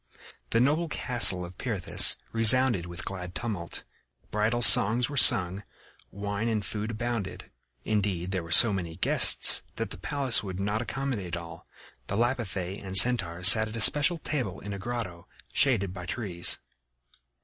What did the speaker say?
The noble castle of Pirithous resounded with glad tumult; bridal songs were sung; wine and food abounded. Indeed, there were so many guests that the palace would not accommodate all. The Lapithæ and Centaurs sat at a special table in a grotto shaded by trees.